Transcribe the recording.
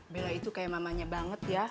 bella itu kayak mamanya banget ya